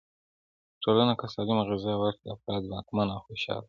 ټولنه که سالمه غذا ورکړي، افراد ځواکمن او خوشحاله وي.